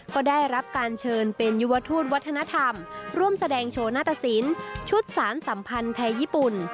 ก็ได้รับการเชิญเป็นยุวทูตวัฒนธรรมร่วมแสดงโชว์หน้าตสินชุดสารสัมพันธ์ไทยญี่ปุ่น